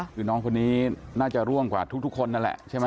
คือน้องคนนี้น่าจะร่วงกว่าทุกคนนั่นแหละใช่ไหม